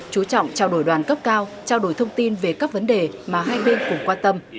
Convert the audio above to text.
chú trọng trao đổi đoàn cấp cao trao đổi thông tin về các vấn đề mà hai bên cũng quan tâm